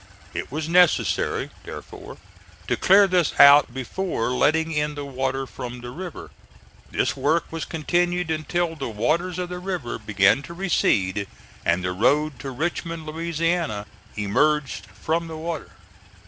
It was necessary, therefore, to clear this out before letting in the water from the river. This work was continued until the waters of the river began to recede and the road to Richmond, Louisiana, emerged from the water.